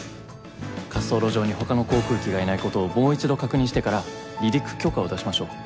滑走路上に他の航空機がいない事をもう一度確認してから離陸許可を出しましょう。